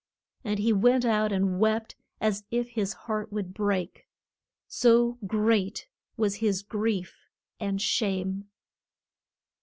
And he went out and wept as if his heart would break, so great was his grief and shame.